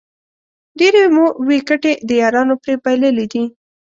ډېرې مو وېکټې د یارانو پرې بایللې دي